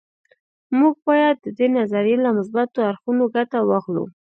موږ باید د دې نظریې له مثبتو اړخونو ګټه واخلو